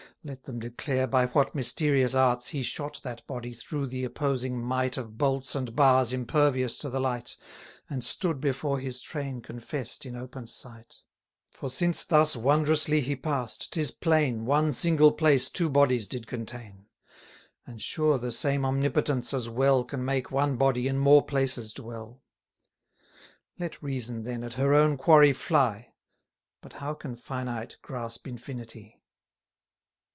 Let them declare by what mysterious arts He shot that body through the opposing might Of bolts and bars impervious to the light, And stood before his train confess'd in open sight. For since thus wondrously he pass'd, 'tis plain, 100 One single place two bodies did contain. And sure the same Omnipotence as well Can make one body in more places dwell. Let reason, then, at her own quarry fly, But how can finite grasp infinity?